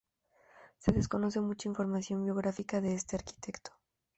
Se desconoce mucha información biográfica de este arquitecto.